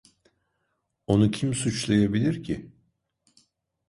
Onu kim suçlayabilir ki?